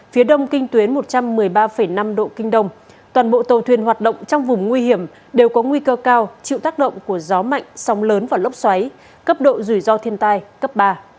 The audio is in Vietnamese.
phía đông kinh tuyến một trăm một mươi ba năm độ kinh đông toàn bộ tàu thuyền hoạt động trong vùng nguy hiểm đều có nguy cơ cao chịu tác động của gió mạnh sóng lớn và lốc xoáy cấp độ rủi ro thiên tai cấp ba